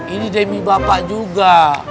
ini demi bapak juga